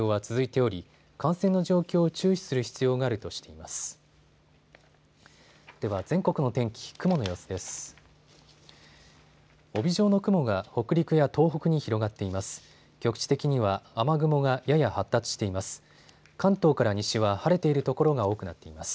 帯状の雲が北陸や東北に広がっています。